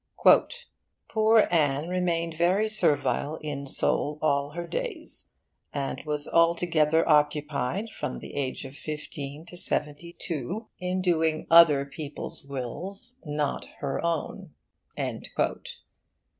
'Poor Anne remained very servile in soul all her days; and was altogether occupied, from the age of fifteen to seventy two, in doing other people's wills, not her own.